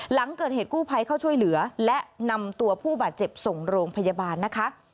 หลังเกิดเหตุกู้ภัยเข้าช่วยเหลือและนำตัวผู้บาดเจ็บส่งโรงพยาบาลนะคะ